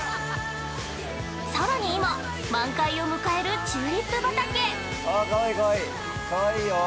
さらに今、満開を迎えるチューリップ畑。